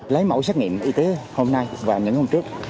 lấy mẫu xét nghiệm y tế hôm nay và những hôm trước